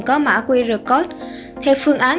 có mã qr code theo phương án